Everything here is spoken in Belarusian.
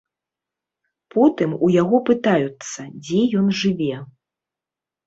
Потым у яго пытаюцца, дзе ён жыве.